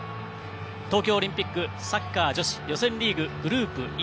東京オリンピックサッカー女子予選リーググループＥ。